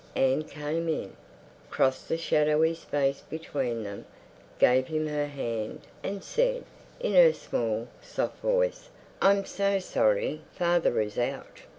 Anne came in, crossed the shadowy space between them, gave him her hand, and said, in her small, soft voice, "I'm so sorry, father is out.